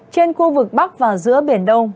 trên khu vực bắc và giữa biển đông